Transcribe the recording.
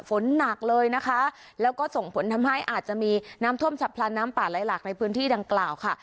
ฝนหนักเลยนะคะแล้วก็ส่งผลทำให้อาจจะมีน้ำท่วมฉับพลันน้ำป่าไหลหลากในพื้นที่ดังกล่าวค่ะ